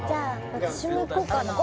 私もいこっかな